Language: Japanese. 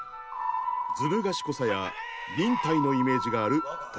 ずる賢さや忍耐のイメージがある徳川家康。